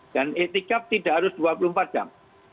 dan ikhtikaf tidak harus dua puluh empat jam